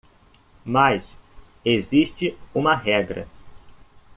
Mas existe uma regra